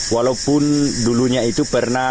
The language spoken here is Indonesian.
walaupun dulunya itu pernah